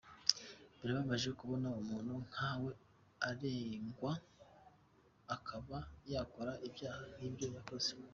Birababaje kubona umuntu nkawe arengwa akaba yakora ibyaha nk’ibyo yakoze.